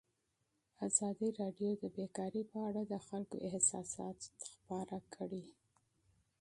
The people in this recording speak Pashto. ازادي راډیو د بیکاري په اړه د خلکو احساسات شریک کړي.